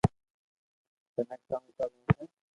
ٿني ڪاو ڪروو ھي